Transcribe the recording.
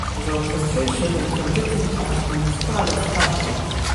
His orchestration and conducting has been described as passionate.